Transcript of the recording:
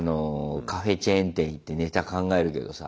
カフェチェーン店行ってネタ考えるけどさ。